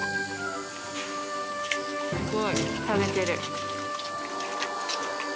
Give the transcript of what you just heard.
すごい食べてる。